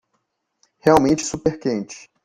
Realmente super quente